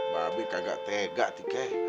babi kagak tega tikeh